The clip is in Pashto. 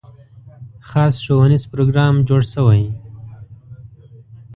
خاص ښوونیز پروګرام جوړ شوی.